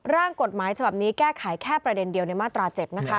ร่างกฎหมายฉบับนี้แก้ไขแค่ประเด็นเดียวในมาตรา๗นะคะ